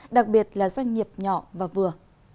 đặc biệt là doanh nghiệp nhỏ và vừa